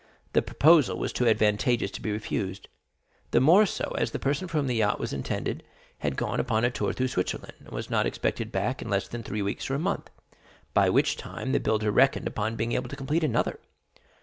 The proposal was too advantageous to be refused, the more so as the person for whom the yacht was intended had gone upon a tour through Switzerland, and was not expected back in less than three weeks or a month, by which time the builder reckoned upon being able to complete another.